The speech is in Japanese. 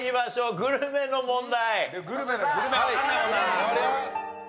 グルメの問題。